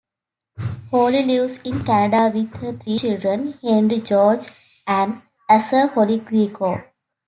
Holly lives in Canada with her three children; Henry, George, and Azer Holly-Greco.